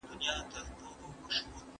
څېړنه وکړه چي حقیقت درته معلوم سي.